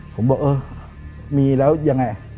ผมบอกเออมีแล้วยังไง